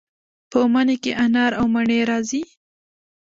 په مني کې انار او مڼې راځي.